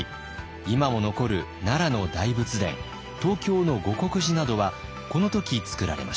今も残る奈良の大仏殿東京の護国寺などはこの時造られました。